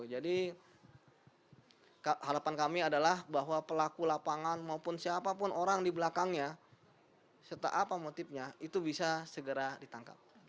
jadi halapan kami adalah bahwa pelaku lapangan maupun siapapun orang di belakangnya serta apa motifnya itu bisa segera ditangkap